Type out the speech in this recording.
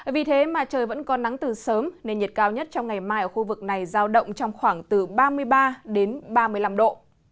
vì thế mà trời vẫn có nắng từ sớm nên nhiệt cao nhất trong ngày mai ở khu vực này giao động trong khoảng từ ba mươi ba đến ba mươi năm độ